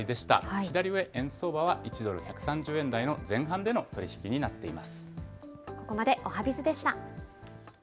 左上、円相場は１３０円台の前半での取り引きになっています。